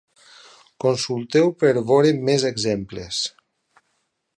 Consulteu per veure més exemples.